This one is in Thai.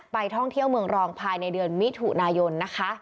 ท่องเที่ยวเมืองรองภายในเดือนมิถุนายนนะคะ